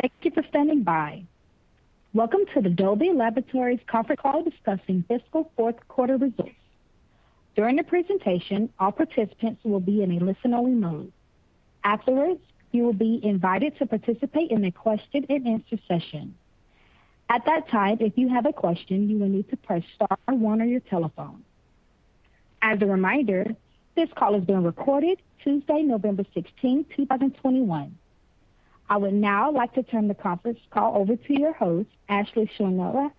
Thank you for standing by. Welcome to the Dolby Laboratories conference call discussing fiscal fourth quarter results. During the presentation, all participants will be in a listen-only mode. Afterwards, you will be invited to participate in a question-and-answer session. At that time, if you have a question, you will need to press star one on your telephone. As a reminder, this call is being recorded Tuesday, November 16th, 2021. I would now like to turn the conference call over to your host, Ashley Schwenoha,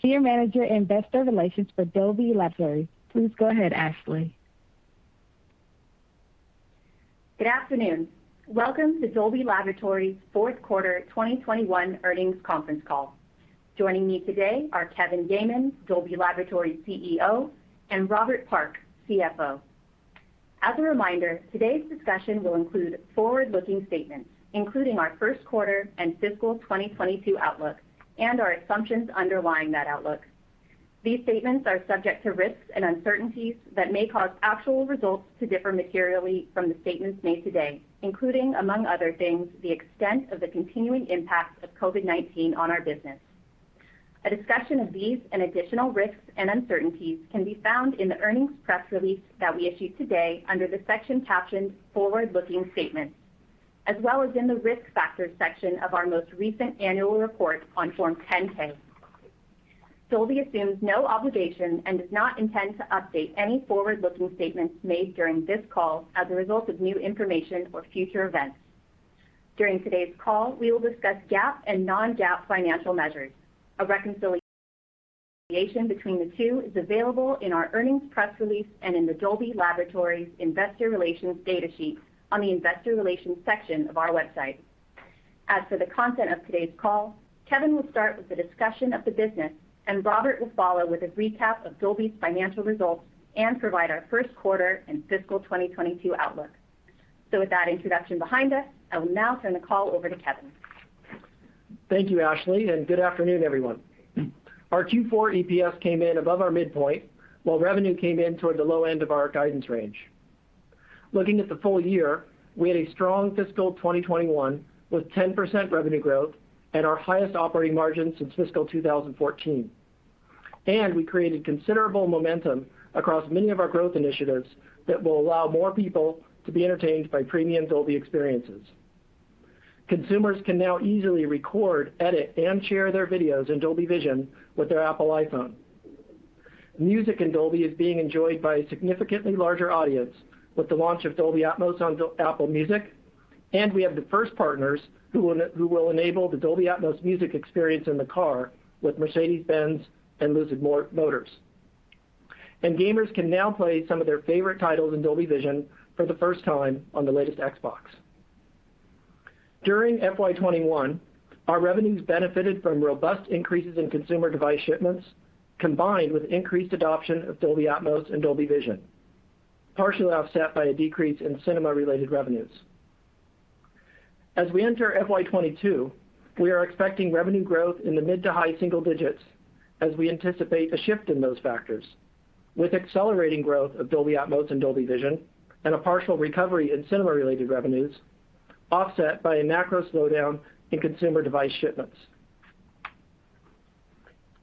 Senior Manager, Investor Relations for Dolby Laboratories. Please go ahead, Ashley. Good afternoon. Welcome to Dolby Laboratories' fourth quarter 2021 earnings conference call. Joining me today are Kevin J. Yeaman, Dolby Laboratories CEO, and Robert Park, CFO. As a reminder, today's discussion will include forward-looking statements, including our first quarter and fiscal 2022 outlook and our assumptions underlying that outlook. These statements are subject to risks and uncertainties that may cause actual results to differ materially from the statements made today, including among other things, the extent of the continuing impact of COVID-19 on our business. A discussion of these and additional risks and uncertainties can be found in the earnings press release that we issued today under the section captioned Forward-Looking Statements, as well as in the Risk Factors section of our most recent annual report on Form 10-K. Dolby assumes no obligation and does not intend to update any forward-looking statements made during this call as a result of new information or future events. During today's call, we will discuss GAAP and non-GAAP financial measures. A reconciliation between the two is available in our earnings press release and in the Dolby Laboratories Investor Relations data sheet on the investor relations section of our website. As for the content of today's call, Kevin will start with the discussion of the business, and Robert will follow with a recap of Dolby's financial results and provide our first quarter and fiscal 2022 outlook. With that introduction behind us, I will now turn the call over to Kevin. Thank you, Ashley, and good afternoon, everyone. Our Q4 EPS came in above our midpoint, while revenue came in toward the low end of our guidance range. Looking at the full year, we had a strong fiscal 2021 with 10% revenue growth and our highest operating margin since fiscal 2014. We created considerable momentum across many of our growth initiatives that will allow more people to be entertained by premium Dolby experiences. Consumers can now easily record, edit, and share their videos in Dolby Vision with their Apple iPhone. Music in Dolby is being enjoyed by a significantly larger audience with the launch of Dolby Atmos on Apple Music, and we have the first partners who will enable the Dolby Atmos music experience in the car with Mercedes-Benz and Lucid Motors. Gamers can now play some of their favorite titles in Dolby Vision for the first time on the latest Xbox. During FY 2021, our revenues benefited from robust increases in consumer device shipments, combined with increased adoption of Dolby Atmos and Dolby Vision, partially offset by a decrease in cinema-related revenues. As we enter FY 2022, we are expecting revenue growth in the mid to high-single digits as we anticipate a shift in those factors with accelerating growth of Dolby Atmos and Dolby Vision and a partial recovery in cinema-related revenues, offset by a macro slowdown in consumer device shipments.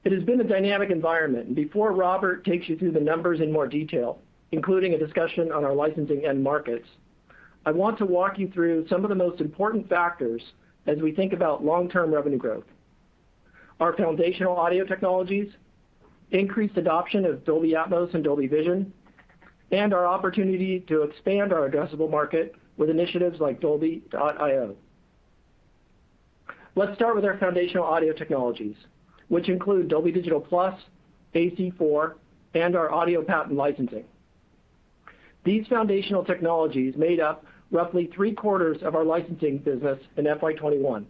It has been a dynamic environment, and before Robert takes you through the numbers in more detail, including a discussion on our licensing end markets, I want to walk you through some of the most important factors as we think about long-term revenue growth. Our foundational audio technologies, increased adoption of Dolby Atmos and Dolby Vision, and our opportunity to expand our addressable market with initiatives like Dolby.io. Let's start with our foundational audio technologies, which include Dolby Digital Plus, AC-4, and our audio patent licensing. These foundational technologies made up roughly three-quarters of our licensing business in FY 2021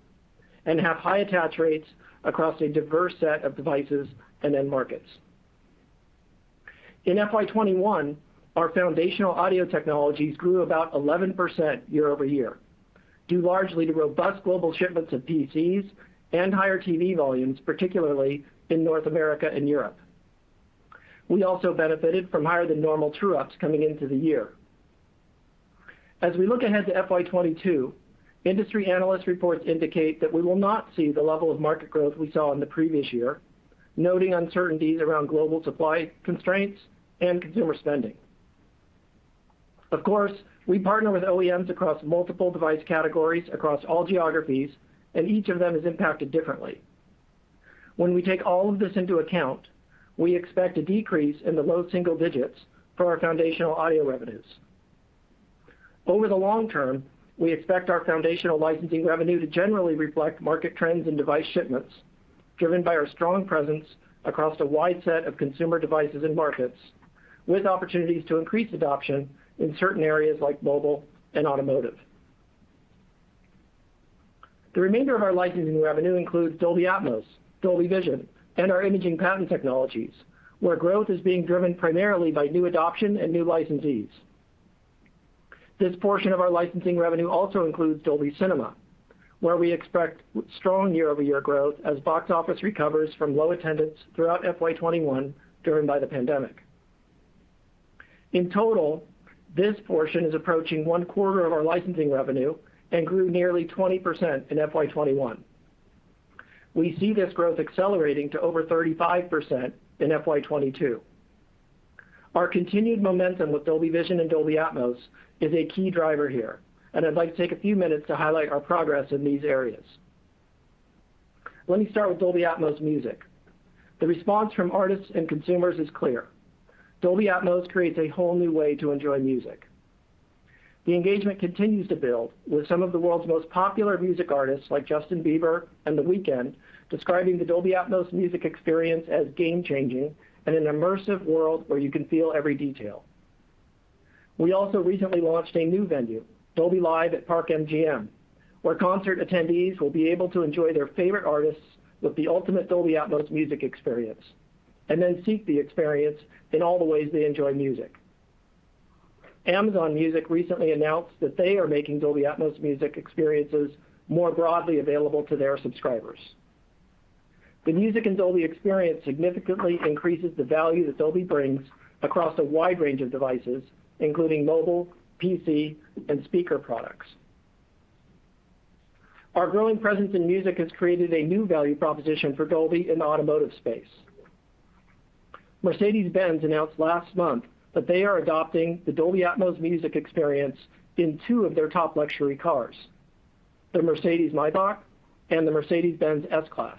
and have high attach rates across a diverse set of devices and end markets. In FY 2021, our foundational audio technologies grew about 11% year-over-year, due largely to robust global shipments of PCs and higher TV volumes, particularly in North America and Europe. We also benefited from higher than normal true-ups coming into the year. As we look ahead to FY 2022, industry analyst reports indicate that we will not see the level of market growth we saw in the previous year, noting uncertainties around global supply constraints and consumer spending. Of course, we partner with OEMs across multiple device categories across all geographies, and each of them is impacted differently. When we take all of this into account, we expect a decrease in the low single digits for our foundational audio revenues. Over the long term, we expect our foundational licensing revenue to generally reflect market trends in device shipments driven by our strong presence across a wide set of consumer devices and markets, with opportunities to increase adoption in certain areas like mobile and automotive. The remainder of our licensing revenue includes Dolby Atmos, Dolby Vision, and our imaging patent technologies, where growth is being driven primarily by new adoption and new licensees. This portion of our licensing revenue also includes Dolby Cinema, where we expect strong year-over-year growth as box office recovers from low attendance throughout FY 2021 driven by the pandemic. In total, this portion is approaching one quarter of our licensing revenue and grew nearly 20% in FY 2021. We see this growth accelerating to over 35% in FY 2022. Our continued momentum with Dolby Vision and Dolby Atmos is a key driver here. I'd like to take a few minutes to highlight our progress in these areas. Let me start with Dolby Atmos music. The response from artists and consumers is clear. Dolby Atmos creates a whole new way to enjoy music. The engagement continues to build with some of the world's most popular music artists like Justin Bieber and The Weeknd, describing the Dolby Atmos music experience as game-changing and an immersive world where you can feel every detail. We also recently launched a new venue, Dolby Live at Park MGM, where concert attendees will be able to enjoy their favorite artists with the ultimate Dolby Atmos music experience, and then seek the experience in all the ways they enjoy music. Amazon Music recently announced that they are making Dolby Atmos music experiences more broadly available to their subscribers. The music and Dolby experience significantly increases the value that Dolby brings across a wide range of devices, including mobile, PC, and speaker products. Our growing presence in music has created a new value proposition for Dolby in the automotive space. Mercedes-Benz announced last month that they are adopting the Dolby Atmos music experience in two of their top luxury cars, the Mercedes-Maybach and the Mercedes-Benz S-Class.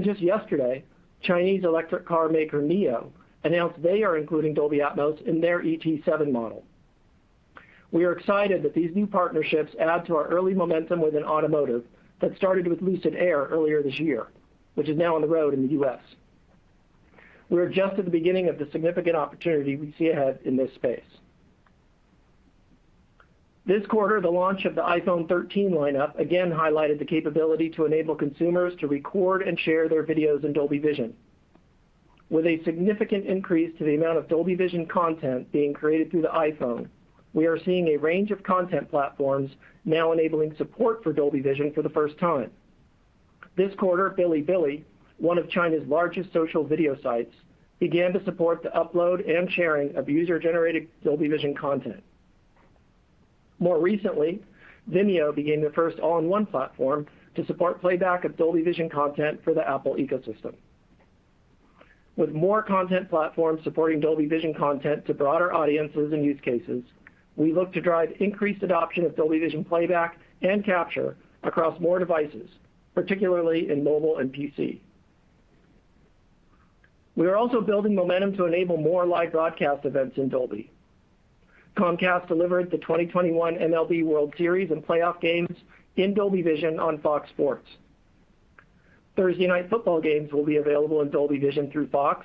Just yesterday, Chinese electric car maker NIO announced they are including Dolby Atmos in their ET7 model. We are excited that these new partnerships add to our early momentum within automotive that started with Lucid Air earlier this year, which is now on the road in the U.S. We are just at the beginning of the significant opportunity we see ahead in this space. This quarter, the launch of the iPhone 13 lineup, again highlighted the capability to enable consumers to record and share their videos in Dolby Vision. With a significant increase to the amount of Dolby Vision content being created through the iPhone, we are seeing a range of content platforms now enabling support for Dolby Vision for the first time. This quarter, Bilibili, one of China's largest social video sites, began to support the upload and sharing of user-generated Dolby Vision content. More recently, Vimeo became the first all-in-one platform to support playback of Dolby Vision content for the Apple ecosystem. With more content platforms supporting Dolby Vision content to broader audiences and use cases, we look to drive increased adoption of Dolby Vision playback and capture across more devices, particularly in mobile and PC. We are also building momentum to enable more live broadcast events in Dolby. Comcast delivered the 2021 MLB World Series and playoff games in Dolby Vision on Fox Sports. Thursday Night Football games will be available in Dolby Vision through Fox,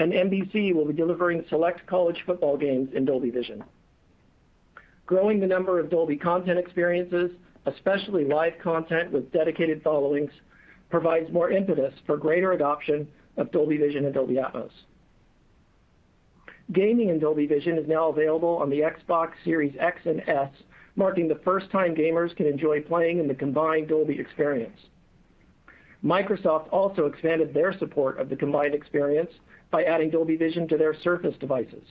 and NBC will be delivering select college football games in Dolby Vision. Growing the number of Dolby content experiences, especially live content with dedicated followings, provides more impetus for greater adoption of Dolby Vision and Dolby Atmos. Gaming in Dolby Vision is now available on the Xbox Series X and S, marking the first time gamers can enjoy playing in the combined Dolby experience. Microsoft also expanded their support of the combined experience by adding Dolby Vision to their Surface devices.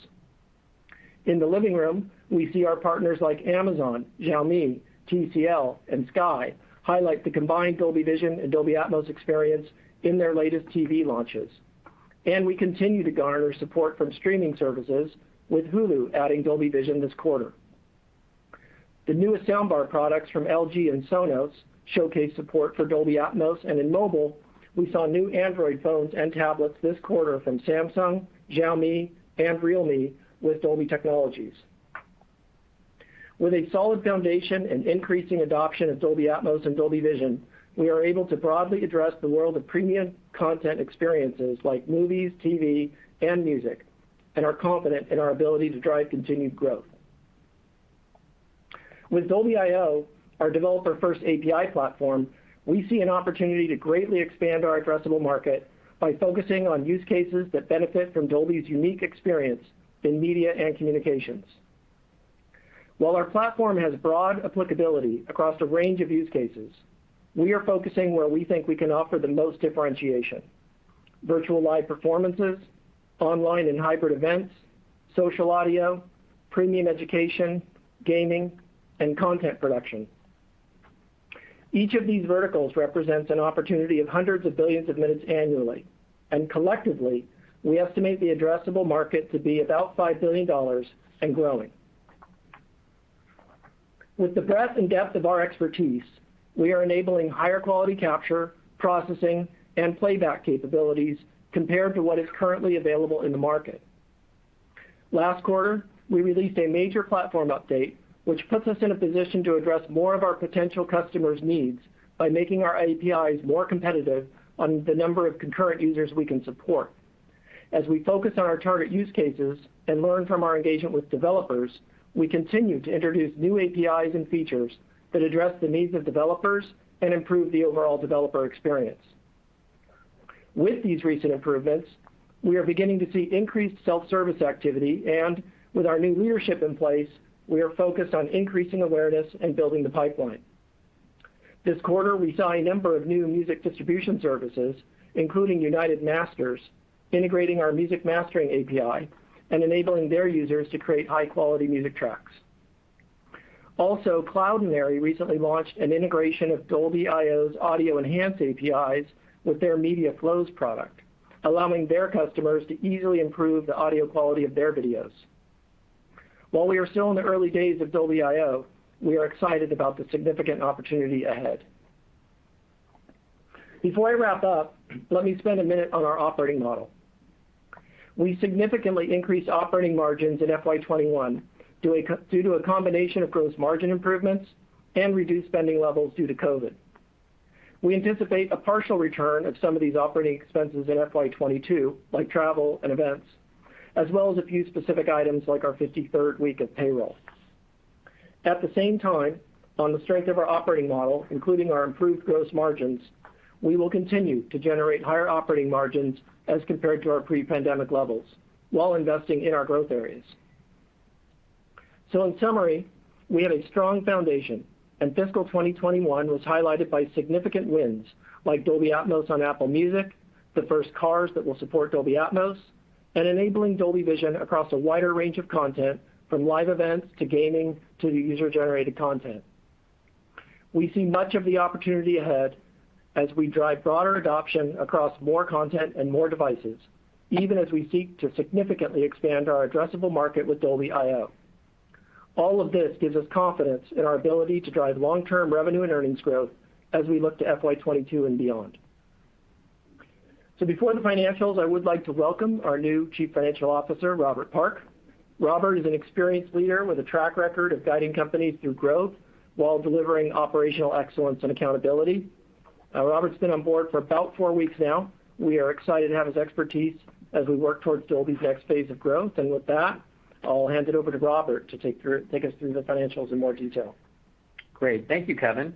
In the living room, we see our partners like Amazon, Xiaomi, TCL, and Sky highlight the combined Dolby Vision and Dolby Atmos experience in their latest TV launches. We continue to garner support from streaming services with Hulu adding Dolby Vision this quarter. The newest soundbar products from LG and Sonos showcase support for Dolby Atmos. In mobile, we saw new Android phones and tablets this quarter from Samsung, Xiaomi, and Realme with Dolby technologies. With a solid foundation and increasing adoption of Dolby Atmos and Dolby Vision, we are able to broadly address the world of premium content experiences like movies, TV, and music, and are confident in our ability to drive continued growth. With Dolby.io, our developer-first API platform, we see an opportunity to greatly expand our addressable market by focusing on use cases that benefit from Dolby's unique experience in media and communications. While our platform has broad applicability across a range of use cases, we are focusing where we think we can offer the most differentiation. Virtual live performances, online and hybrid events, social audio, premium education, gaming, and content production. Each of these verticals represents an opportunity of hundreds of billions of minutes annually. Collectively, we estimate the addressable market to be about $5 billion and growing. With the breadth and depth of our expertise, we are enabling higher quality capture, processing, and playback capabilities compared to what is currently available in the market. Last quarter, we released a major platform update, which puts us in a position to address more of our potential customers' needs by making our APIs more competitive on the number of concurrent users we can support. As we focus on our target use cases and learn from our engagement with developers, we continue to introduce new APIs and features that address the needs of developers and improve the overall developer experience. With these recent improvements, we are beginning to see increased self-service activity. With our new leadership in place, we are focused on increasing awareness and building the pipeline. This quarter, we saw a number of new music distribution services, including UnitedMasters, integrating our music mastering API and enabling their users to create high-quality music tracks. Also, Cloudinary recently launched an integration of Dolby.io's audio enhanced APIs with their media flows product, allowing their customers to easily improve the audio quality of their videos. While we are still in the early days of Dolby.io, we are excited about the significant opportunity ahead. Before I wrap up, let me spend a minute on our operating model. We significantly increased operating margins in FY 2021 due to a combination of gross margin improvements and reduced spending levels due to COVID. We anticipate a partial return of some of these operating expenses in FY 2022, like travel and events, as well as a few specific items like our 53rd week of payroll. At the same time, on the strength of our operating model, including our improved gross margins, we will continue to generate higher operating margins as compared to our pre-pandemic levels while investing in our growth areas. In summary, we have a strong foundation, and fiscal 2021 was highlighted by significant wins like Dolby Atmos on Apple Music, the first cars that will support Dolby Atmos, and enabling Dolby Vision across a wider range of content from live events to gaming to user-generated content. We see much of the opportunity ahead as we drive broader adoption across more content and more devices, even as we seek to significantly expand our addressable market with Dolby.io. All of this gives us confidence in our ability to drive long-term revenue and earnings growth as we look to FY 2022 and beyond. Before the financials, I would like to welcome our new Chief Financial Officer, Robert Park. Robert is an experienced leader with a track record of guiding companies through growth while delivering operational excellence and accountability. Robert's been on board for about four weeks now. We are excited to have his expertise as we work towards Dolby's next phase of growth. With that, I'll hand it over to Robert to take us through the financials in more detail. Great. Thank you, Kevin.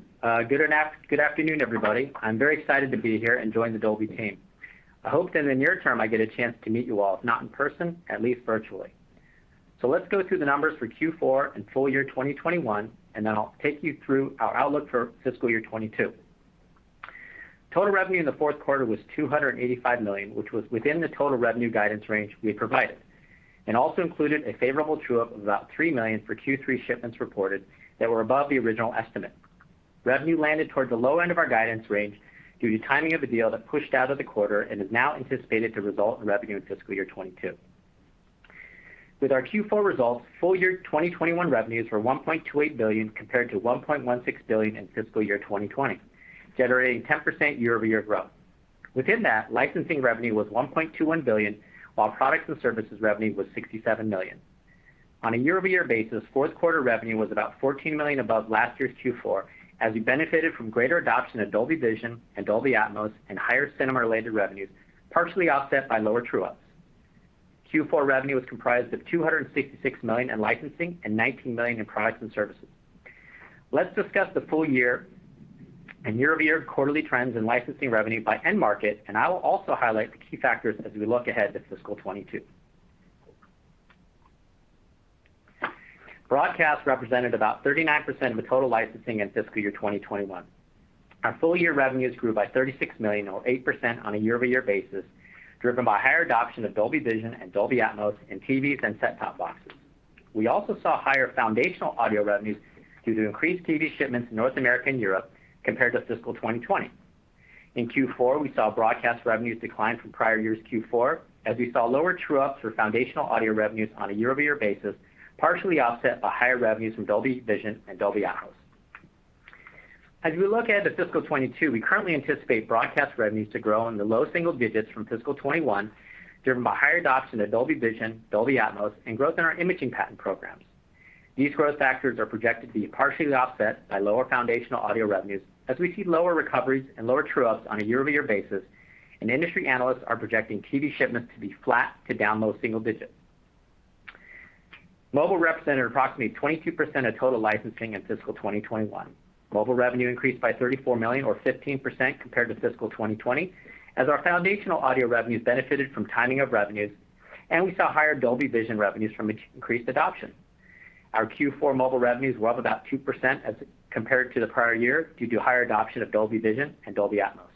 Good afternoon, everybody. I'm very excited to be here and join the Dolby team. I hope that in the near term, I get a chance to meet you all, if not in person, at least virtually. Let's go through the numbers for Q4 and full year 2021, and then I'll take you through our outlook for fiscal year 2022. Total revenue in the fourth quarter was $285 million, which was within the total revenue guidance range we had provided, and also included a favorable true-up of about $3 million for Q3 shipments reported that were above the original estimate. Revenue landed towards the low end of our guidance range due to timing of a deal that pushed out of the quarter and is now anticipated to result in revenue in fiscal year 2022. With our Q4 results, full-year 2021 revenues were $1.28 billion compared to $1.16 billion in fiscal year 2020, generating 10% year-over-year growth. Within that, licensing revenue was $1.21 billion, while products and services revenue was $67 million. On a year-over-year basis, fourth quarter revenue was about $14 million above last year's Q4 as we benefited from greater adoption of Dolby Vision and Dolby Atmos and higher cinema-related revenues, partially offset by lower true-ups. Q4 revenue was comprised of $266 million in licensing and $19 million in products and services. Let's discuss the full year and year-over-year quarterly trends in licensing revenue by end market, and I will also highlight the key factors as we look ahead to fiscal 2022. Broadcast represented about 39% of the total licensing in fiscal year 2021. Our full-year revenues grew by $36 million or 8% on a year-over-year basis, driven by higher adoption of Dolby Vision and Dolby Atmos in TVs and set-top boxes. We also saw higher foundational audio revenues due to increased TV shipments in North America and Europe compared to fiscal 2020. In Q4, we saw broadcast revenues decline from prior year's Q4 as we saw lower true-ups for foundational audio revenues on a year-over-year basis, partially offset by higher revenues from Dolby Vision and Dolby Atmos. As we look ahead to fiscal 2022, we currently anticipate broadcast revenues to grow in the low single digits% from fiscal 2021, driven by higher adoption of Dolby Vision, Dolby Atmos, and growth in our imaging patent programs. These growth factors are projected to be partially offset by lower foundational audio revenues as we see lower recoveries and lower true-ups on a year-over-year basis, and industry analysts are projecting TV shipments to be flat to down low-single-digit %. Mobile represented approximately 22% of total licensing in fiscal 2021. Mobile revenue increased by $34 million or 15% compared to fiscal 2020, as our foundational audio revenues benefited from timing of revenues, and we saw higher Dolby Vision revenues from increased adoption. Our Q4 mobile revenues were up about 2% as compared to the prior year due to higher adoption of Dolby Vision and Dolby Atmos.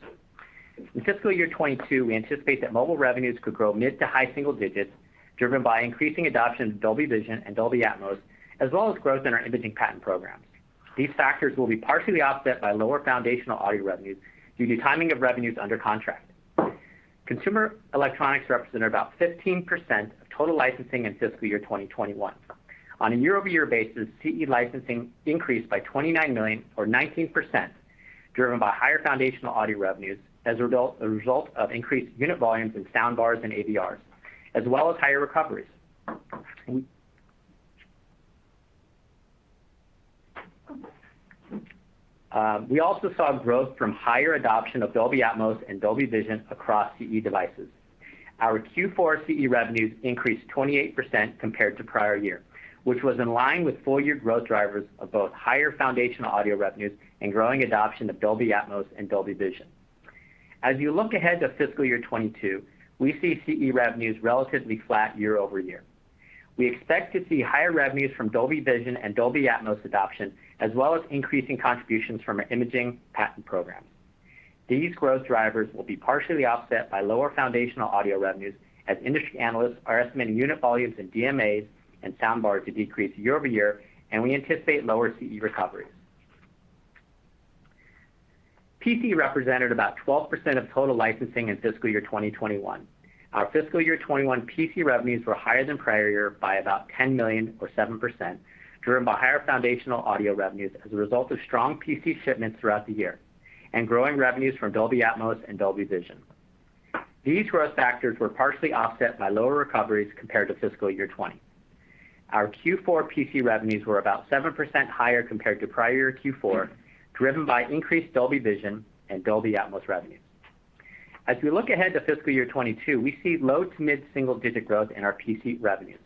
In fiscal year 2022, we anticipate that mobile revenues could grow mid- to high-single-digit %, driven by increasing adoption of Dolby Vision and Dolby Atmos, as well as growth in our imaging patent programs. These factors will be partially offset by lower foundational audio revenues due to timing of revenues under contract. Consumer electronics represented about 15% of total licensing in fiscal year 2021. On a year-over-year basis, CE licensing increased by $29 million or 19%, driven by higher foundational audio revenues as a result of increased unit volumes in sound bars and AVRs, as well as higher recoveries. We also saw growth from higher adoption of Dolby Atmos and Dolby Vision across CE devices. Our Q4 CE revenues increased 28% compared to prior year, which was in line with full-year growth drivers of both higher foundational audio revenues and growing adoption of Dolby Atmos and Dolby Vision. As you look ahead to fiscal year 2022, we see CE revenues relatively flat year-over-year. We expect to see higher revenues from Dolby Vision and Dolby Atmos adoption, as well as increasing contributions from our imaging patent programs. These growth drivers will be partially offset by lower foundational audio revenues, as industry analysts are estimating unit volumes in DMAs and soundbars to decrease year over year, and we anticipate lower CE recoveries. PC represented about 12% of total licensing in fiscal year 2021. Our fiscal year 2021 PC revenues were higher than prior year by about $10 million or 7%, driven by higher foundational audio revenues as a result of strong PC shipments throughout the year and growing revenues from Dolby Atmos and Dolby Vision. These growth factors were partially offset by lower recoveries compared to fiscal year 2020. Our Q4 PC revenues were about 7% higher compared to prior Q4, driven by increased Dolby Vision and Dolby Atmos revenues. As we look ahead to fiscal year 2022, we see low to mid-single digit growth in our PC revenues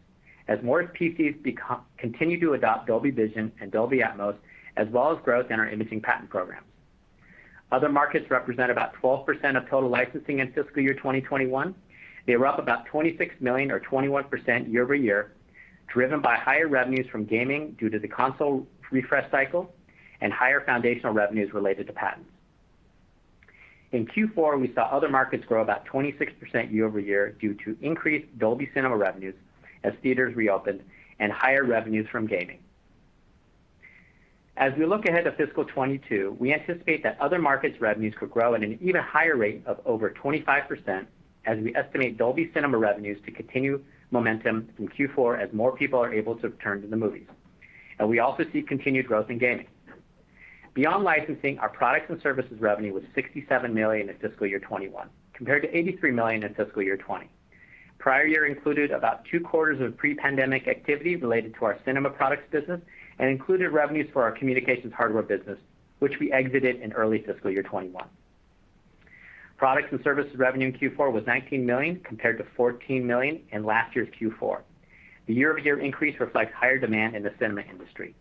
as more PCs continue to adopt Dolby Vision and Dolby Atmos, as well as growth in our imaging patent programs. Other markets represent about 12% of total licensing in fiscal year 2021. They were up about $26 million or 21% year-over-year, driven by higher revenues from gaming due to the console refresh cycle and higher foundational revenues related to patents. In Q4, we saw other markets grow about 26% year-over-year due to increased Dolby Cinema revenues as theaters reopened and higher revenues from gaming. As we look ahead to fiscal 2022, we anticipate that other markets revenues could grow at an even higher rate of over 25% as we estimate Dolby Cinema revenues to continue momentum from Q4 as more people are able to return to the movies. We also see continued growth in gaming. Beyond licensing, our products and services revenue was $67 million in fiscal year 2021, compared to $83 million in fiscal year 2020. Prior year included about two quarters of pre-pandemic activity related to our cinema products business and included revenues for our communications hardware business, which we exited in early fiscal year 2021. Products and services revenue in Q4 was $19 million compared to $14 million in last year's Q4. The year-over-year increase reflects higher demand in the cinema industry.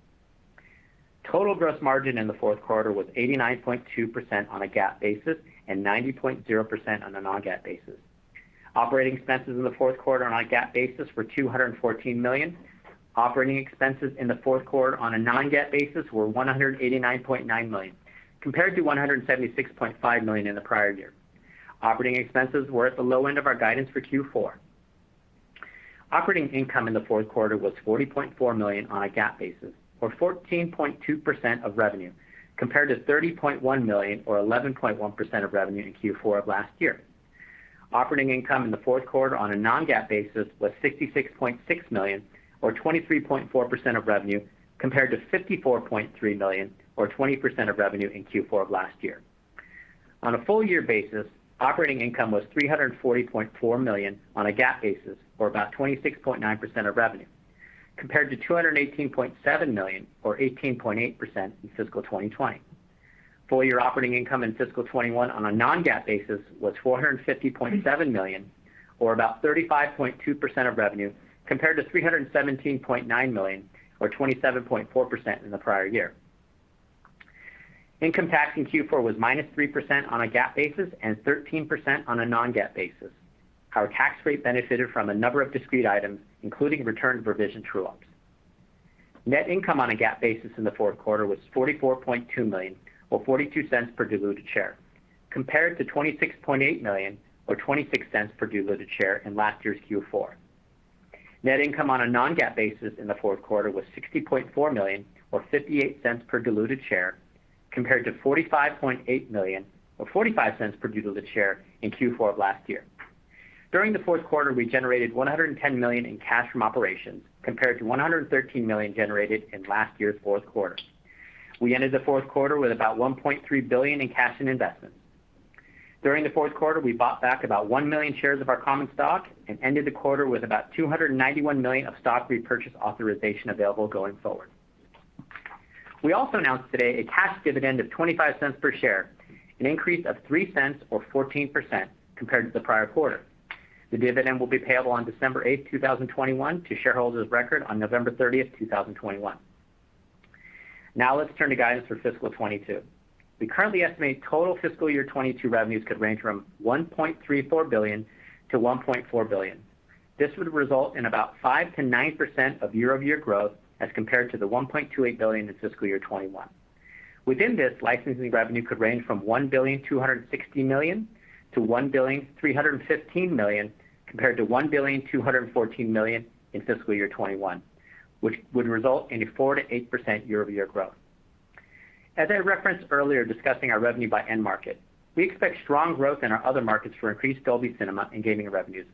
Total gross margin in the fourth quarter was 89.2% on a GAAP basis and 90.0% on a non-GAAP basis. Operating expenses in the fourth quarter on a GAAP basis were $214 million. Operating expenses in the fourth quarter on a non-GAAP basis were $189.9 million, compared to $176.5 million in the prior year. Operating expenses were at the low end of our guidance for Q4. Operating income in the fourth quarter was $40.4 million on a GAAP basis or 14.2% of revenue, compared to $30.1 million or 11.1% of revenue in Q4 of last year. Operating income in the fourth quarter on a non-GAAP basis was $66.6 million or 23.4% of revenue, compared to $54.3 million or 20% of revenue in Q4 of last year. On a full year basis, operating income was $340.4 million on a GAAP basis or about 26.9% of revenue, compared to $218.7 million or 18.8% in fiscal 2020. Full year operating income in fiscal 2021 on a non-GAAP basis was $450.7 million or about 35.2% of revenue, compared to $317.9 million or 27.4% in the prior year. Income tax in Q4 was -3% on a GAAP basis and 13% on a non-GAAP basis. Our tax rate benefited from a number of discrete items, including return-to-provision true-ups. Net income on a GAAP basis in the fourth quarter was $44.2 million or $0.42 per diluted share, compared to $26.8 million or $0.26 per diluted share in last year's Q4. Net income on a non-GAAP basis in the fourth quarter was $60.4 million or $0.58 per diluted share, compared to $45.8 million or $0.45 per diluted share in Q4 of last year. During the fourth quarter, we generated $110 million in cash from operations compared to $113 million generated in last year's fourth quarter. We ended the fourth quarter with about $1.3 billion in cash and investments. During the fourth quarter, we bought back about 1 million shares of our common stock and ended the quarter with about $291 million of stock repurchase authorization available going forward. We also announced today a cash dividend of $0.25 per share, an increase of $0.03 or 14% compared to the prior quarter. The dividend will be payable on December 8, 2021 to shareholders of record on November 30th, 2021. Now let's turn to guidance for fiscal 2022. We currently estimate total fiscal year 2022 revenues could range from $1.34 billion-$1.4 billion. This would result in about 5%-9% year-over-year growth as compared to the $1.28 billion in fiscal year 2021. Within this, licensing revenue could range from $1.26 billion-$1.315 billion compared to $1.214 billion in fiscal year 2021, which would result in a 4%-8% year-over-year growth. As I referenced earlier discussing our revenue by end market, we expect strong growth in our other markets for increased Dolby Cinema and gaming revenues,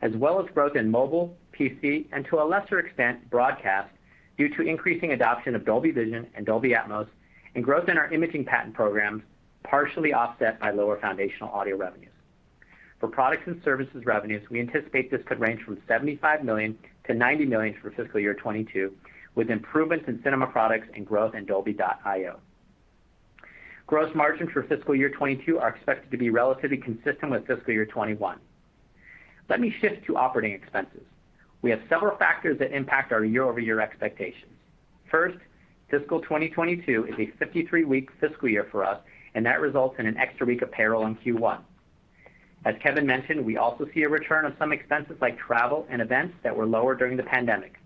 as well as growth in mobile, PC, and to a lesser extent, broadcast due to increasing adoption of Dolby Vision and Dolby Atmos and growth in our imaging patent programs, partially offset by lower foundational audio revenues. For products and services revenues, we anticipate this could range from $75 million-$90 million for fiscal year 2022, with improvements in cinema products and growth in Dolby.io. Gross margins for fiscal year 2022 are expected to be relatively consistent with fiscal year 2021. Let me shift to operating expenses. We have several factors that impact our year-over-year expectations. First, fiscal 2022 is a 53-week fiscal year for us, and that results in an extra week of payroll in Q1. As Kevin mentioned, we also see a return of some expenses like travel and events that were lower during the pandemic,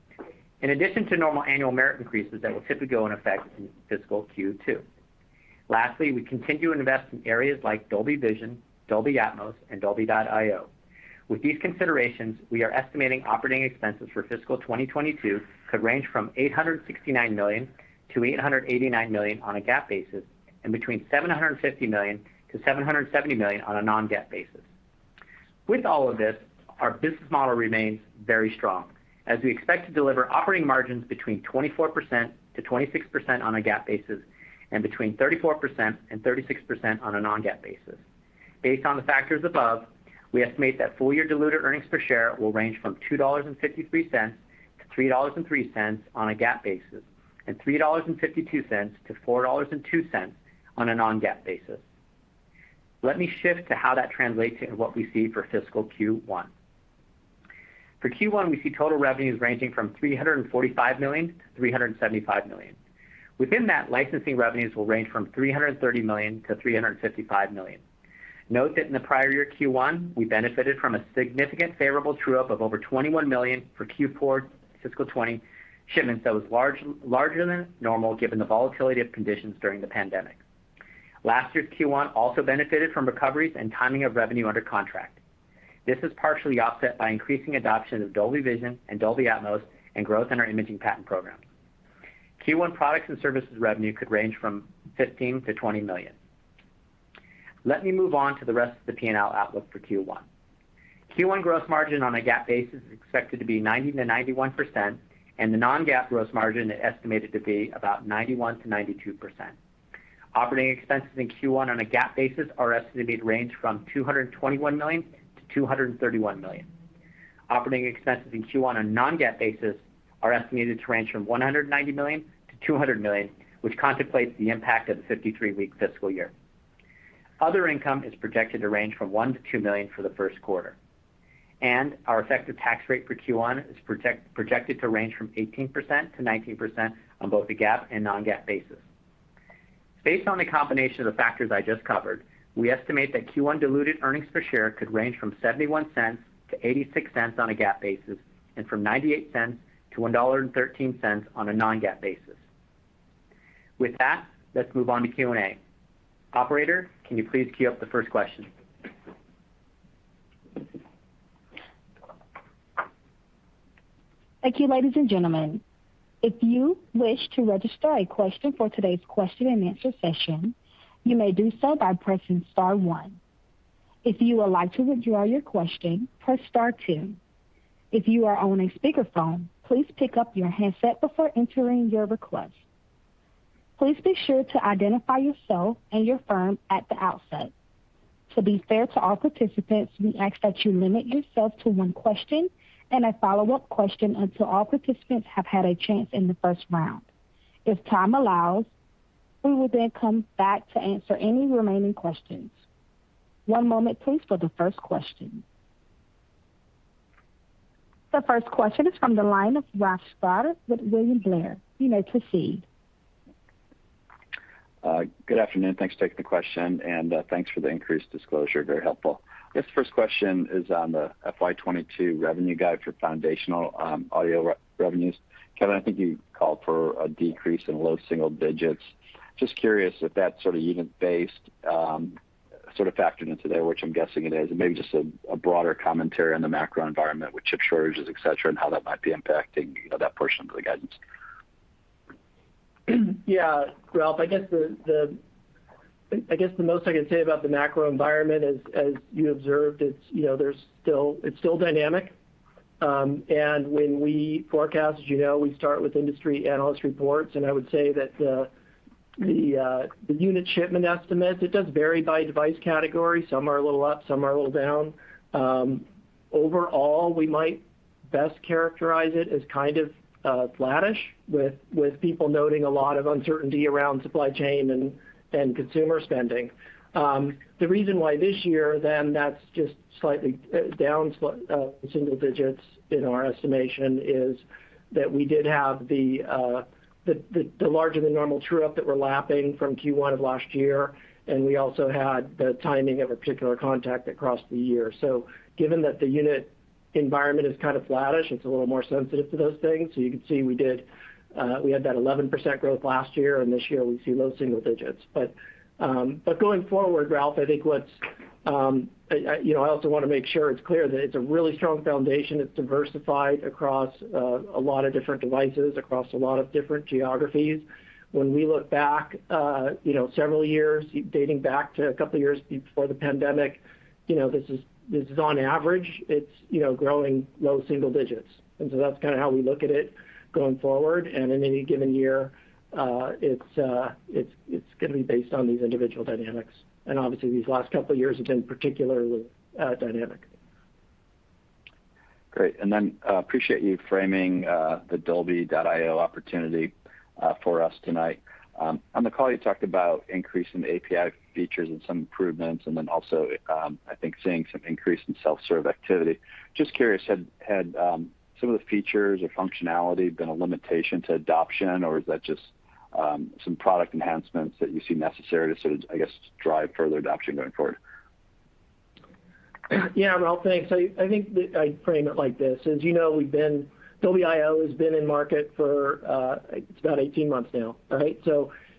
in addition to normal annual merit increases that will typically go in effect in fiscal Q2. Lastly, we continue to invest in areas like Dolby Vision, Dolby Atmos, and Dolby.io. With these considerations, we are estimating operating expenses for fiscal 2022 could range from $869 million-$889 million on a GAAP basis, and between $750 million-$770 million on a non-GAAP basis. With all of this, our business model remains very strong as we expect to deliver operating margins between 24%-26% on a GAAP basis and between 34% and 36% on a non-GAAP basis. Based on the factors above, we estimate that full year diluted earnings per share will range from $2.53 to $3.03 on a GAAP basis, and $3.52 to $4.02 on a non-GAAP basis. Let me shift to how that translates into what we see for fiscal Q1. For Q1, we see total revenues ranging from $345 million-$375 million. Within that, licensing revenues will range from $330 million-$355 million. Note that in the prior year Q1, we benefited from a significant favorable true-up of over $21 million for Q4 fiscal 2020 shipments that was large, larger than normal given the volatility of conditions during the pandemic. Last year's Q1 also benefited from recoveries and timing of revenue under contract. This is partially offset by increasing adoption of Dolby Vision and Dolby Atmos and growth in our imaging patent program. Q1 products and services revenue could range from $15 million-$20 million. Let me move on to the rest of the P&L outlook for Q1. Q1 gross margin on a GAAP basis is expected to be 90%-91%, and the non-GAAP gross margin is estimated to be about 91%-92%. Operating expenses in Q1 on a GAAP basis are estimated to range from $221 million-$231 million. Operating expenses in Q1 on a non-GAAP basis are estimated to range from $190 million-$200 million, which contemplates the impact of the 53-week fiscal year. Other income is projected to range from $1 million-$2 million for the first quarter. Our effective tax rate for Q1 is projected to range from 18%-19% on both the GAAP and non-GAAP basis. Based on the combination of the factors I just covered, we estimate that Q1 diluted earnings per share could range from $0.71-$0.86 on a GAAP basis and from $0.98-$1.13 on a non-GAAP basis. With that, let's move on to Q&A. Operator, can you please queue up the first question? Thank you, ladies and gentlemen. If you wish to register a question for today's question and answer session, you may do so by pressing star one. If you would like to withdraw your question, press star two. If you are on a speakerphone, please pick up your handset before entering your request. Please be sure to identify yourself and your firm at the outset. To be fair to all participants, we ask that you limit yourself to one question and a follow-up question until all participants have had a chance in the first round. If time allows, we will then come back to answer any remaining questions. One moment, please, for the first question. The first question is from the line of Ralph Schackart with William Blair. You may proceed. Good afternoon. Thanks for taking the question, and thanks for the increased disclosure. Very helpful. I guess the first question is on the FY 2022 revenue guide for foundational audio revenues. Kevin, I think you called for a decrease in low single digits. Just curious if that's sort of unit-based, sort of factored in today, which I'm guessing it is. Maybe just a broader commentary on the macro environment with chip shortages, et cetera, and how that might be impacting, you know, that portion of the guidance. Yeah, Ralph, I guess the most I can say about the macro environment as you observed, it's you know it's still dynamic. When we forecast, as you know, we start with industry analyst reports. I would say that the unit shipment estimates, it does vary by device category. Some are a little up, some are a little down. Overall, we might best characterize it as kind of flattish with people noting a lot of uncertainty around supply chain and consumer spending. The reason why this year that's just slightly down single digits in our estimation is that we did have the larger than normal true-up that we're lapping from Q1 of last year, and we also had the timing of a particular contract that crossed the year. Given that the unit environment is kind of flattish, it's a little more sensitive to those things. You can see we had that 11% growth last year, and this year we see low single digits. Going forward, Ralph, I think you know I also want to make sure it's clear that it's a really strong foundation. It's diversified across a lot of different devices, across a lot of different geographies. When we look back, you know, several years, dating back to a couple of years before the pandemic, you know, this is on average. It's, you know, growing low single digits. That's kinda how we look at it going forward. In any given year, it's gonna be based on these individual dynamics. Obviously these last couple of years have been particularly dynamic. Great. Appreciate you framing the Dolby.io opportunity for us tonight. On the call you talked about increasing API features and some improvements, and then also, I think seeing some increase in self-serve activity. Just curious, had some of the features or functionality been a limitation to adoption, or is that just some product enhancements that you see necessary to sort of, I guess, drive further adoption going forward? Yeah, Ralph, thanks. I think that I'd frame it like this. As you know, Dolby.io has been in market for 18 months now, right?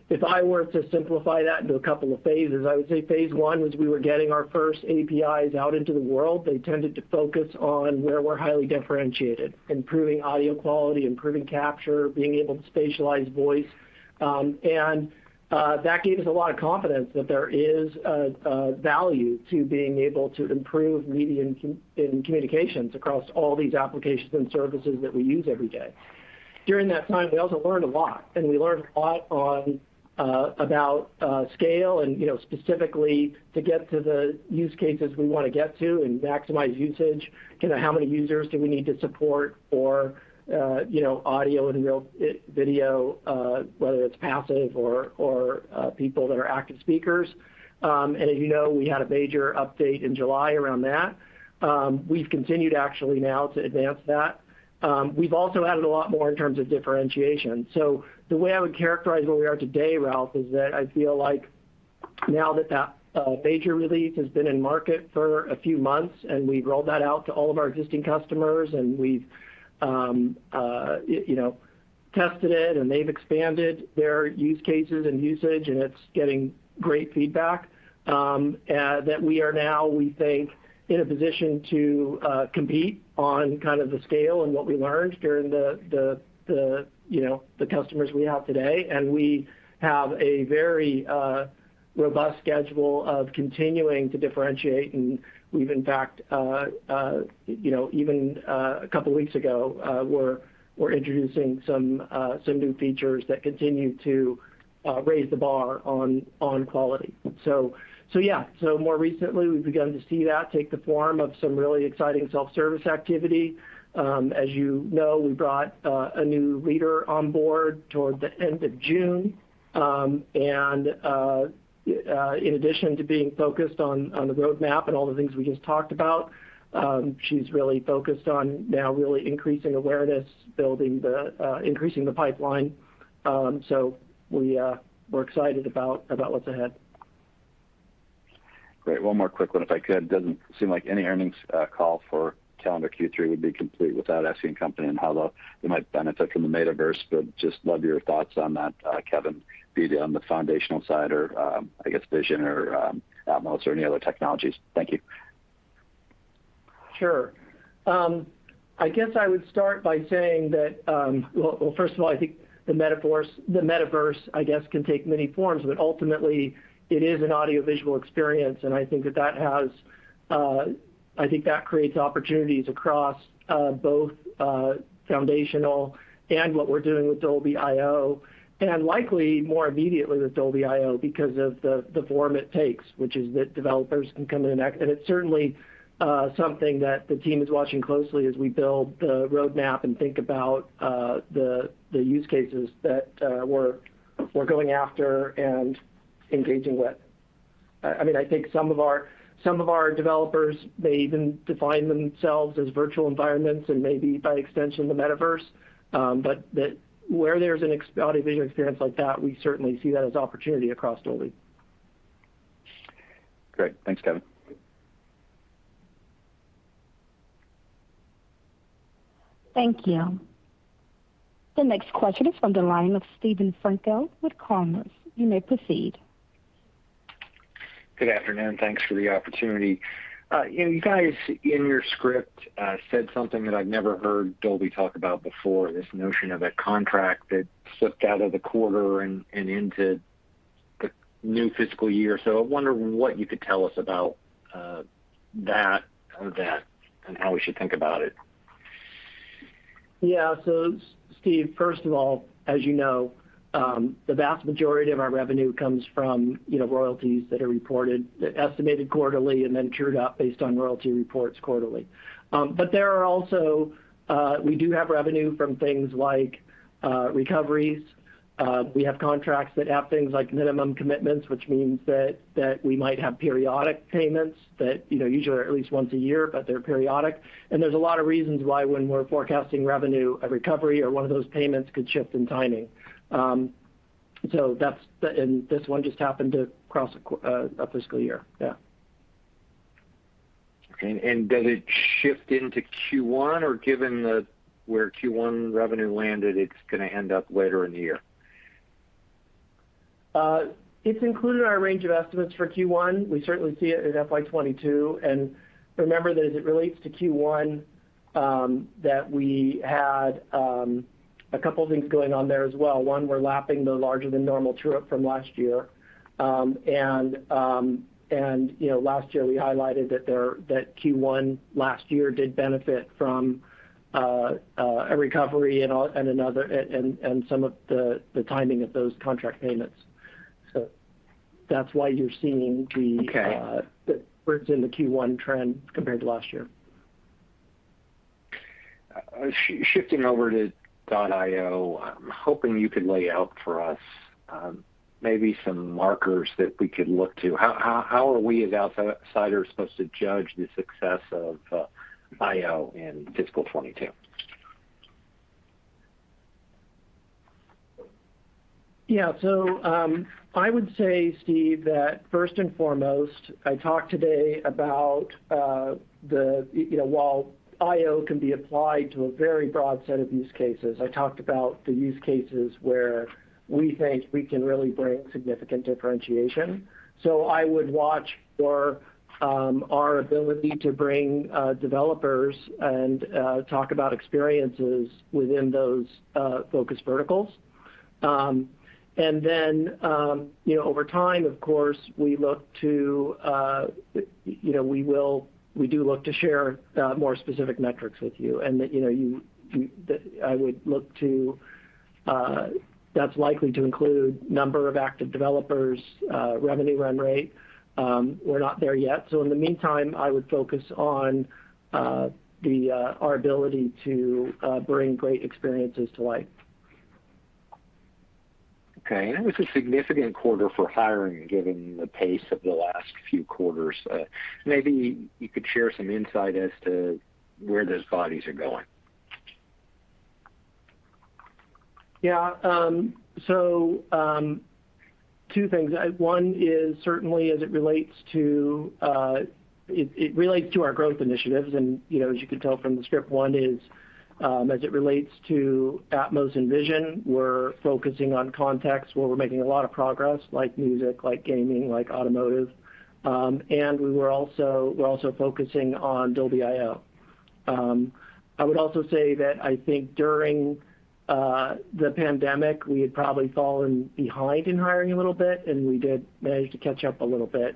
If I were to simplify that into a couple of phases, I would say phase one was we were getting our first APIs out into the world. They tended to focus on where we're highly differentiated, improving audio quality, improving capture, being able to spatialize voice. And that gave us a lot of confidence that there is a value to being able to improve media and communications across all these applications and services that we use every day. During that time, we also learned a lot about scale and, you know, specifically to get to the use cases we wanna get to and maximize usage. You know, how many users do we need to support for, you know, audio and real video, whether it's passive or people that are active speakers? As you know, we had a major update in July around that. We've continued actually now to advance that. We've also added a lot more in terms of differentiation. The way I would characterize where we are today, Ralph, is that I feel like now that major release has been in market for a few months, and we've rolled that out to all of our existing customers, and we've you know tested it, and they've expanded their use cases and usage, and it's getting great feedback, that we are now, we think, in a position to compete on kind of the scale and what we learned during the you know the customers we have today. We have a very robust schedule of continuing to differentiate. We've in fact you know even a couple weeks ago we're introducing some new features that continue to raise the bar on quality. Yeah. More recently, we've begun to see that take the form of some really exciting self-service activity. As you know, we brought a new leader on board toward the end of June. In addition to being focused on the roadmap and all the things we just talked about, she's really focused on now really increasing awareness, increasing the pipeline. We're excited about what's ahead. Great. One more quick one if I could. Doesn't seem like any earnings call for calendar Q3 would be complete without asking the company and how they might benefit from the metaverse, but I just love your thoughts on that, Kevin, be it on the foundational side or, I guess vision or, Atmos or any other technologies. Thank you. Sure. I guess I would start by saying that, well, first of all, I think the metaverse, I guess, can take many forms, but ultimately it is an audiovisual experience, and I think that creates opportunities across both foundational and what we're doing with Dolby.io, and likely more immediately with Dolby.io because of the form it takes, which is that developers can come in and act. It's certainly something that the team is watching closely as we build the roadmap and think about the use cases that we're going after and engaging with. I mean, I think some of our developers, they even define themselves as virtual environments and maybe by extension the metaverse. Where there's an audiovisual experience like that, we certainly see that as an opportunity across Dolby. Great. Thanks, Kevin. Thank you. The next question is from the line of Steven Frankel with Colliers. You may proceed. Good afternoon. Thanks for the opportunity. You know, you guys in your script said something that I've never heard Dolby talk about before, this notion of a contract that slipped out of the quarter and into the new fiscal year. I wonder what you could tell us about that event and how we should think about it. Steve, first of all, as you know, the vast majority of our revenue comes from, you know, royalties that are reported estimated quarterly and then trued up based on royalty reports quarterly. But there are also we do have revenue from things like recoveries. We have contracts that have things like minimum commitments, which means that we might have periodic payments that, you know, usually are at least once a year, but they're periodic. There's a lot of reasons why when we're forecasting revenue, a recovery or one of those payments could shift in timing. This one just happened to cross a fiscal year. Okay. Does it shift into Q1, or given the, where Q1 revenue landed, it's gonna end up later in the year? It's included in our range of estimates for Q1. We certainly see it in FY 2022. Remember that as it relates to Q1, that we had a couple things going on there as well. One, we're lapping the larger than normal true-up from last year. You know, last year we highlighted that Q1 last year did benefit from a recovery and another and some of the timing of those contract payments. That's why you're seeing the Okay the bridge in the Q1 trend compared to last year. Shifting over to Dolby.io, I'm hoping you could lay out for us maybe some markers that we could look to. How are we as outsiders supposed to judge the success of Dolby.io in fiscal 2022? Yeah. I would say, Steve, that first and foremost, I talked today about, you know, while Dolby.io can be applied to a very broad set of use cases, I talked about the use cases where we think we can really bring significant differentiation. I would watch for our ability to bring developers and talk about experiences within those focused verticals. You know, over time, of course, we look to, you know, we do look to share more specific metrics with you. That, you know, that I would look to, that's likely to include number of active developers, revenue run rate. We're not there yet. In the meantime, I would focus on our ability to bring great experiences to life. Okay. It was a significant quarter for hiring, given the pace of the last few quarters. Maybe you could share some insight as to where those bodies are going. Two things. One is certainly as it relates to our growth initiatives. You know, as you can tell from the script, one is as it relates to Atmos and Vision. We're focusing on contexts where we're making a lot of progress, like music, like gaming, like automotive. We're also focusing on Dolby.io. I would also say that I think during the pandemic, we had probably fallen behind in hiring a little bit, and we did manage to catch up a little bit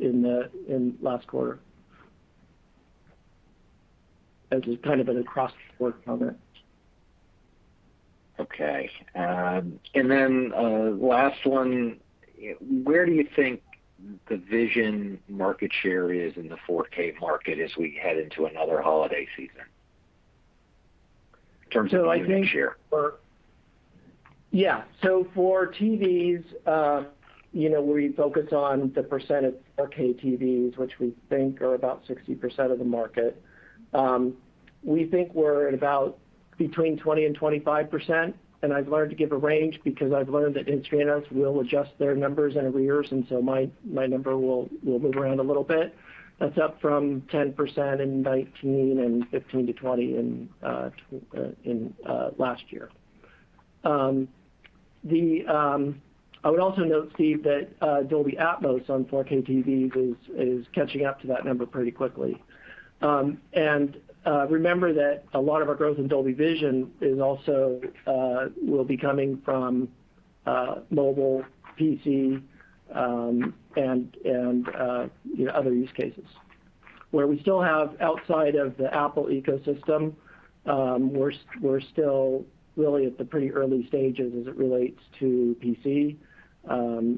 in the last quarter. As a kind of an across-the-board comment. Okay. Last one. Where do you think the Vision market share is in the 4K market as we head into another holiday season in terms of unit share? Yeah. For TVs, you know, we focus on the percent of 4K TVs, which we think are about 60% of the market. We think we're at about between 20% and 25%. I've learned to give a range because I've learned that industry analysts will adjust their numbers in arrears, and so my number will move around a little bit. That's up from 10% in 2019, and 15%-20% in last year. I would also note, Steve, that Dolby Atmos on 4K TVs is catching up to that number pretty quickly. Remember that a lot of our growth in Dolby Vision is also will be coming from mobile, PC, and you know, other use cases. Where we still have outside of the Apple ecosystem, we're still really at the pretty early stages as it relates to PC.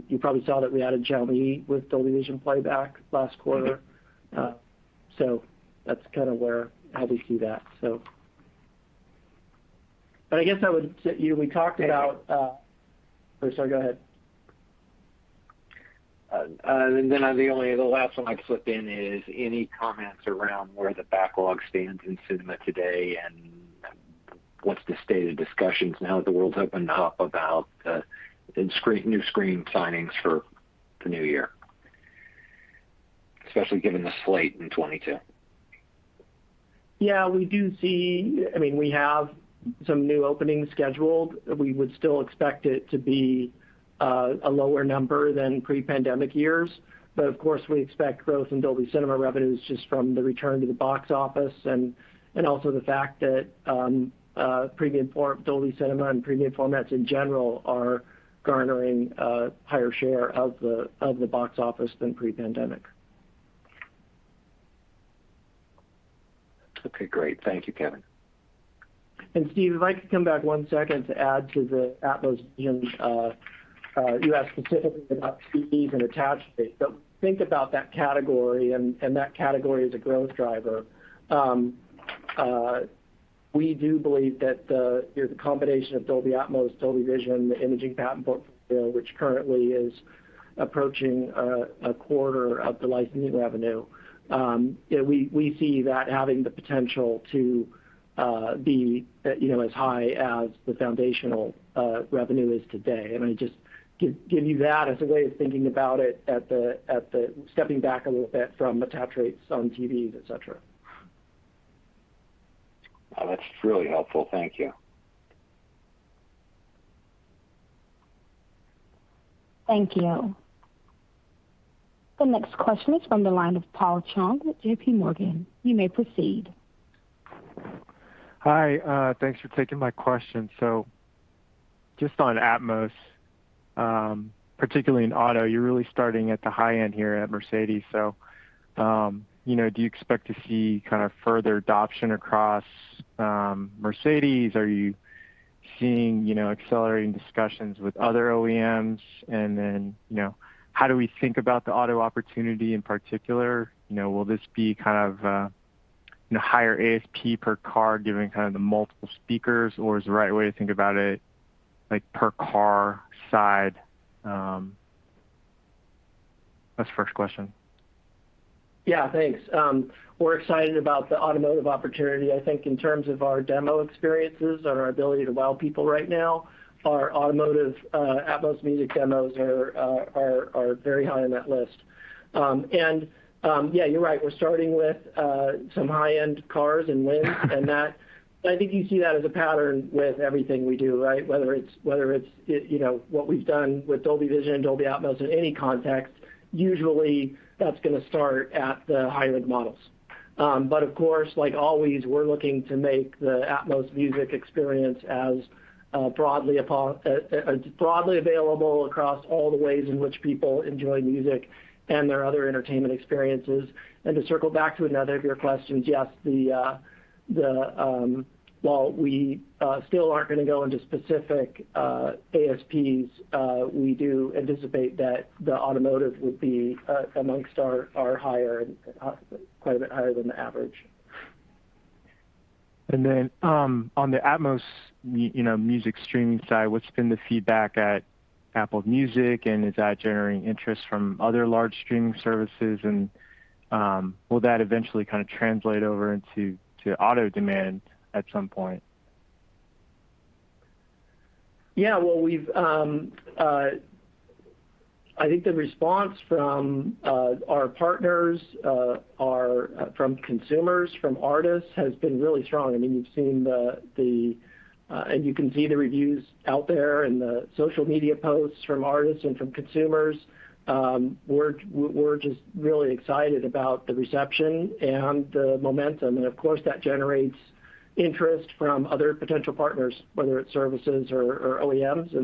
You probably saw that we added Xiaomi with Dolby Vision playback last quarter. So that's kind of where, how we see that, so. I guess I would, you know, we talked about. Sorry, go ahead. The last one I'd slip in is any comments around where the backlog stands in cinema today and what's the state of discussions now that the world's opened up about new screen signings for the new year, especially given the slate in 2022? Yeah, we do see. I mean, we have some new openings scheduled. We would still expect it to be a lower number than pre-pandemic years. Of course, we expect growth in Dolby Cinema revenues just from the return to the box office and also the fact that premium Dolby Cinema and premium formats in general are garnering higher share of the box office than pre-pandemic. Okay, great. Thank you, Kevin. Steve, if I could come back one second to add to the Dolby Atmos and Dolby Vision. You asked specifically about TVs and attach rates, but think about that category and that category as a growth driver. We do believe that the, you know, the combination of Dolby Atmos, Dolby Vision, the imaging patent portfolio, which currently is approaching a quarter of the licensing revenue, you know, we see that having the potential to be, you know, as high as the foundational revenue is today. I mean, just give you that as a way of thinking about it, stepping back a little bit from attach rates on TVs, et cetera. Oh, that's really helpful. Thank you. Thank you. The next question is from the line of Paul Chung with JPMorgan. You may proceed. Hi. Thanks for taking my question. Just on Atmos, particularly in auto, you're really starting at the high end here at Mercedes. You know, do you expect to see kind of further adoption across Mercedes? Are you seeing, you know, accelerating discussions with other OEMs, and then, you know, how do we think about the auto opportunity in particular? You know, will this be kind of, you know, higher ASP per car given kind of the multiple speakers, or is the right way to think about it, like, per car side? That's the first question. Yeah, thanks. We're excited about the automotive opportunity. I think in terms of our demo experiences and our ability to wow people right now, our automotive Atmos Music demos are very high on that list. Yeah, you're right. We're starting with some high-end cars and limos and that. I think you see that as a pattern with everything we do, right? Whether it's, you know, what we've done with Dolby Vision and Dolby Atmos in any context, usually that's gonna start at the high-end models. Of course, like always, we're looking to make the Atmos Music experience as broadly available across all the ways in which people enjoy music and their other entertainment experiences. To circle back to another of your questions, yes, while we still aren't gonna go into specific ASPs, we do anticipate that the automotive would be amongst our higher and quite a bit higher than the average. On the Atmos you know, music streaming side, what's been the feedback at Apple Music, and is that generating interest from other large streaming services? Will that eventually kind of translate over into, to auto demand at some point? Yeah. Well, I think the response from our partners, from consumers, from artists, has been really strong. I mean, you've seen and you can see the reviews out there and the social media posts from artists and from consumers. We're just really excited about the reception and the momentum. Of course, that generates interest from other potential partners, whether it's services or OEMs.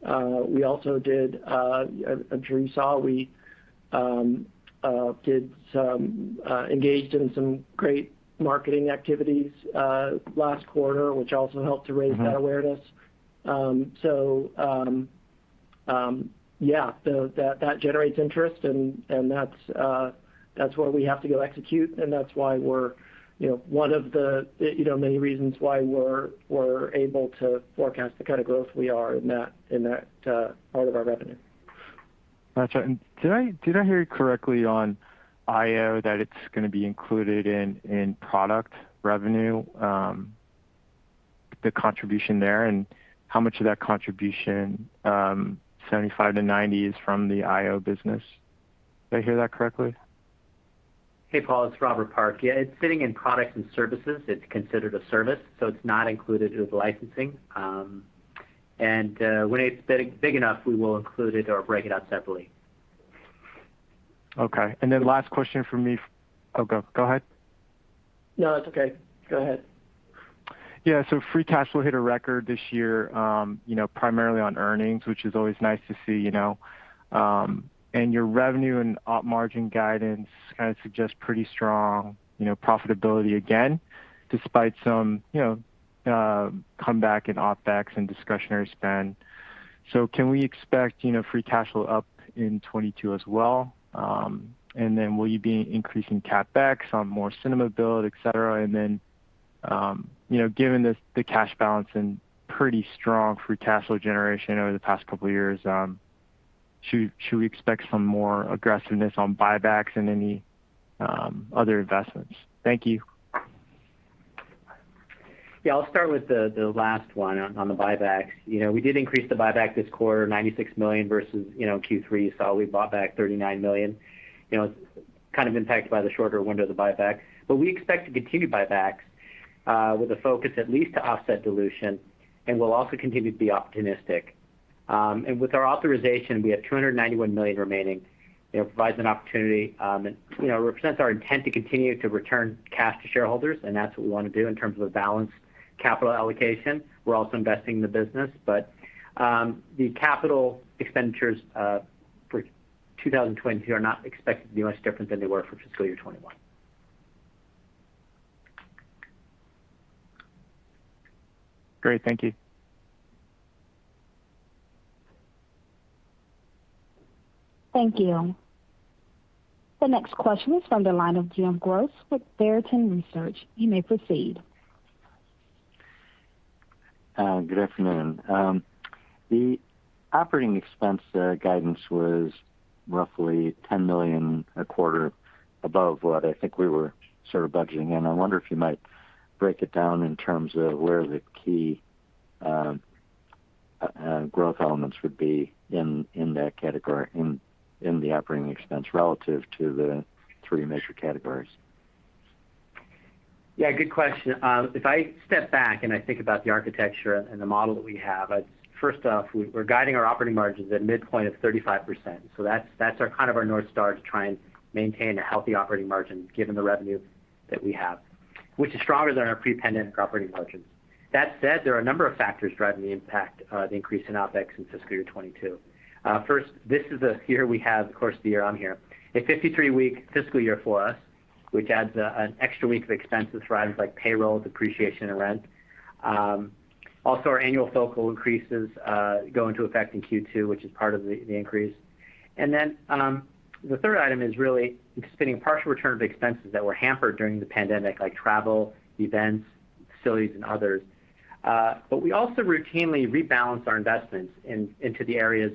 We also, I'm sure you saw, engaged in some great marketing activities last quarter, which also helped to raise that awareness. Yeah, that generates interest, and that's where we have to go execute, and that's why we're, you know, one of the, you know, many reasons why we're able to forecast the kind of growth we are in that part of our revenue. Gotcha. Did I hear you correctly on Dolby.io that it's gonna be included in product revenue, the contribution there? How much of that contribution, $75 million-$90 million, is from the Dolby.io business? Did I hear that correctly? Hey, Paul, it's Robert Park. Yeah, it's sitting in products and services. It's considered a service, so it's not included with licensing. When it's big enough, we will include it or break it out separately. Okay. Last question from me. Oh, go ahead. No, that's okay. Go ahead. Yeah. Free cash will hit a record this year, you know, primarily on earnings, which is always nice to see, you know. Your revenue and op margin guidance kind of suggests pretty strong, you know, profitability again, despite some, you know, comeback in OpEx and discretionary spend. Can we expect, you know, free cash flow up in 2022 as well? Will you be increasing CapEx on more cinema build, et cetera? Then, you know, given this, the cash balance and pretty strong free cash flow generation over the past couple of years, should we expect some more aggressiveness on buybacks and any other investments? Thank you. Yeah, I'll start with the last one on the buybacks. You know, we did increase the buyback this quarter, $96 million versus, you know, Q3. We bought back $39 million. You know, it's kind of impacted by the shorter window of the buyback. We expect to continue buybacks with a focus at least to offset dilution, and we'll also continue to be optimistic. With our authorization, we have $291 million remaining. You know, it provides an opportunity and you know, represents our intent to continue to return cash to shareholders, and that's what we wanna do in terms of a balanced capital allocation. We're also investing in the business. The capital expenditures for 2020 are not expected to be much different than they were for fiscal year 2021. Great. Thank you. Thank you. The next question is from the line of Jim Goss with Barrington Research. You may proceed. Good afternoon. The operating expense guidance was roughly $10 million a quarter above what I think we were sort of budgeting. I wonder if you might break it down in terms of where the key growth elements would be in that category, in the operating expense relative to the three major categories. Yeah, good question. If I step back and I think about the architecture and the model that we have, first off, we're guiding our operating margins at midpoint of 35%. That's our kind of North Star to try and maintain a healthy operating margin given the revenue that we have, which is stronger than our pre-pandemic operating margins. That said, there are a number of factors driving the impact, the increase in OpEx in fiscal year 2022. First, this is a year we have, of course, the year I'm here, a 53-week fiscal year for us. Which adds an extra week of expenses for items like payroll, depreciation, and rent. Also our annual COLA increases go into effect in Q2, which is part of the increase. The third item is really a partial return to spending on expenses that were hampered during the pandemic, like travel, events, facilities and others. We also routinely rebalance our investments into the areas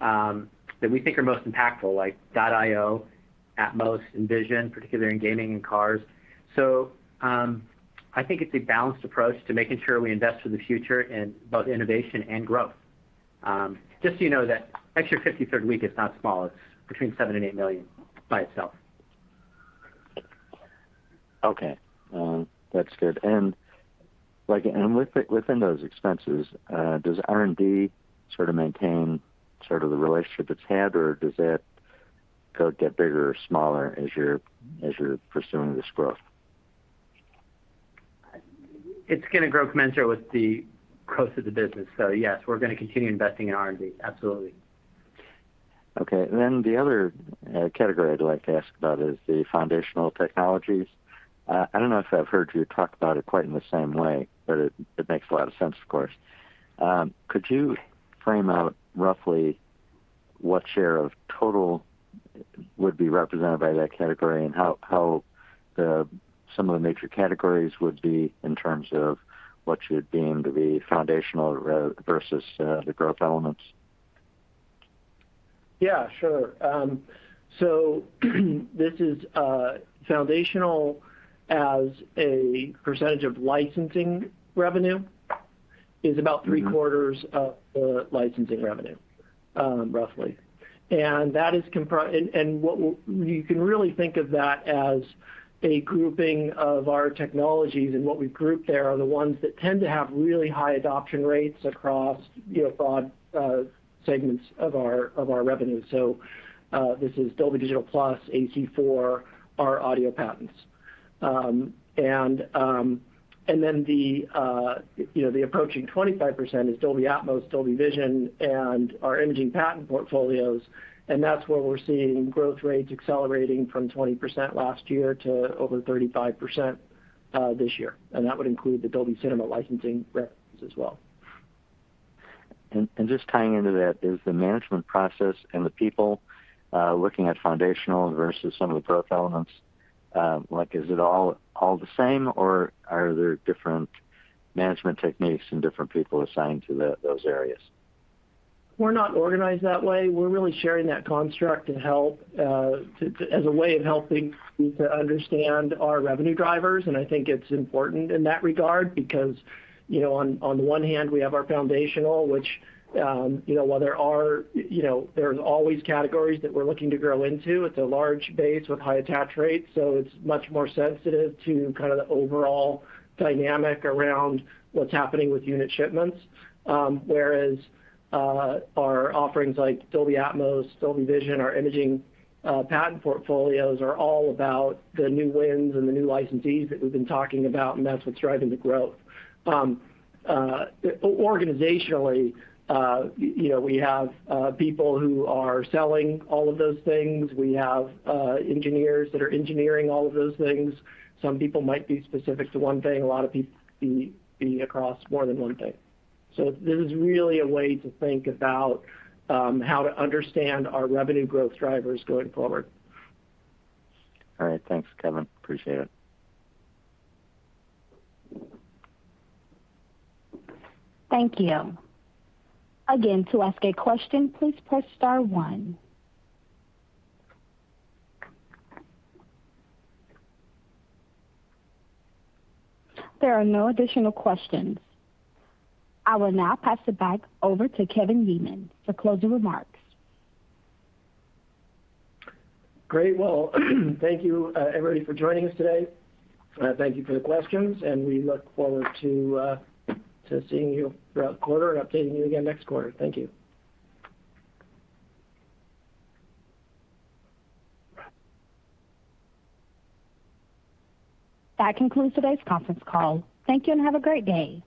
that we think are most impactful, like Dolby.io, Atmos, and Vision, particularly in gaming and cars. I think it's a balanced approach to making sure we invest for the future in both innovation and growth. Just so you know that extra 53rd week is not small. It's between $7 million and $8 million by itself. Okay. That's good. Like, within those expenses, does R&D sort of maintain sort of the relationship it's had, or does that go get bigger or smaller as you're pursuing this growth? It's gonna grow commensurate with the growth of the business. Yes, we're gonna continue investing in R&D. Absolutely. Okay. The other category I'd like to ask about is the foundational technologies. I don't know if I've heard you talk about it quite in the same way, but it makes a lot of sense, of course. Could you frame out roughly what share of total would be represented by that category and how some of the major categories would be in terms of what you'd deem to be foundational versus the growth elements? Yeah, sure. This is foundational as a percentage of licensing revenue. Mm-hmm. is about three-quarters of the licensing revenue, roughly. You can really think of that as a grouping of our technologies, and what we've grouped there are the ones that tend to have really high adoption rates across, you know, broad segments of our revenue. This is Dolby Digital Plus, AC-4, our audio patents. Then the approaching 25% is Dolby Atmos, Dolby Vision, and our imaging patent portfolios. That's where we're seeing growth rates accelerating from 20% last year to over 35% this year. That would include the Dolby Cinema licensing revenues as well. Just tying into that, does the management process and the people looking at foundational versus some of the growth elements, like is it all the same or are there different management techniques and different people assigned to those areas? We're not organized that way. We're really sharing that construct to help as a way of helping you to understand our revenue drivers. I think it's important in that regard because, you know, on the one hand we have our foundational, which, you know, while there are, you know, there's always categories that we're looking to grow into. It's a large base with high attach rates, so it's much more sensitive to kind of the overall dynamic around what's happening with unit shipments. Whereas, our offerings like Dolby Atmos, Dolby Vision, our imaging patent portfolios are all about the new wins and the new licensees that we've been talking about, and that's what's driving the growth. Organizationally, you know, we have people who are selling all of those things. We have engineers that are engineering all of those things. Some people might be specific to one thing. A lot of people could be across more than one thing. This is really a way to think about how to understand our revenue growth drivers going forward. All right. Thanks, Kevin. Appreciate it. Thank you. Again, to ask a question, please press star one. There are no additional questions. I will now pass it back over to Kevin Yeaman for closing remarks. Great. Well, thank you, everybody for joining us today. Thank you for the questions, and we look forward to seeing you throughout the quarter and updating you again next quarter. Thank you. That concludes today's conference call. Thank you, and have a great day.